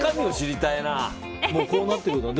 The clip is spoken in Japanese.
こうなってくるとね。